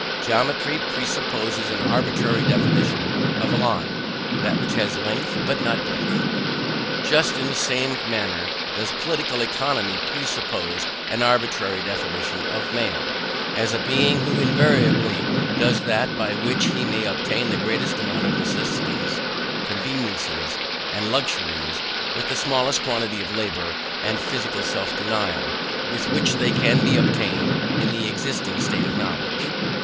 Geometry presupposes an arbitrary definition of a line, "that which has length but not breadth." Just in the same manner does Political Economy presuppose an arbitrary definition of man, as a being who invariably does that by which he may obtain the greatest amount of necessaries, conveniences, and luxuries, with the smallest quantity of labour and physical self denial with which they can be obtained in the existing state of knowledge.